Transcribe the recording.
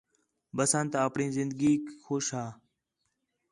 بسنت اپݨی زندگیک خوش ہا